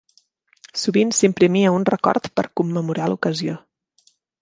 Sovint s'imprimia un record per commemorar l'ocasió.